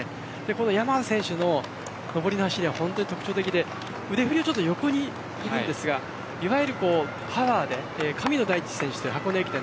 山賀選手の上りの走りは特徴的で腕振りを横にするんですが、いわゆるパワーで神野大地選手